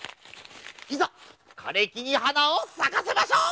いざかれきにはなをさかせましょう！